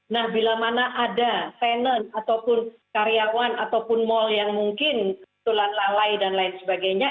nah bila mana ada tenant ataupun karyawan ataupun mal yang mungkin tulan lalai dan lain sebagainya